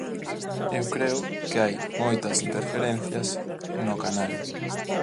Eu creo que hai moitas interferencias no canal.